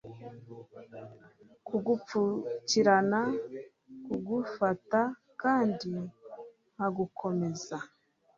Kugupfukirana kugufata kandi nkagukomeza